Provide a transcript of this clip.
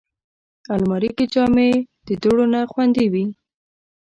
الماري کې جامې د دوړو نه خوندي وي